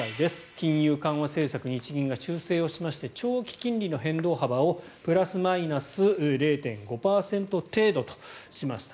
金融緩和政策日銀が修正をしまして長期金利の変動幅をプラスマイナス０．５％程度としました。